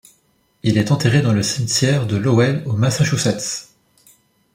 Il est enterré dans le cimetière de Lowell au Massachusetts.